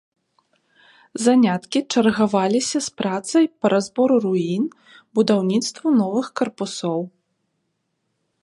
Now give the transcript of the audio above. Заняткі чаргаваліся з працай па разбору руін, будаўніцтву новых карпусоў.